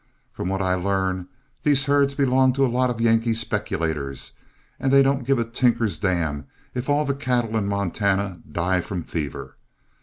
From what I learn, these herds belong to a lot of Yankee speculators, and they don't give a tinker's dam if all the cattle in Montana die from fever.